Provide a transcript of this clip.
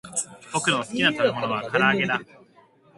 ぼくのすきなたべものはからあげだ